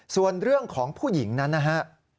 ส่วนเรื่องของผู้หญิงนั้นนะฮะ